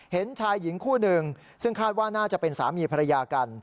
เห็นชายหญิงคู่หนึ่งซึ่งคาดว่าน่าจะเป็นสามีภรรยากัน